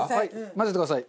混ぜてください。